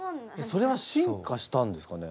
それは進化したんですかね？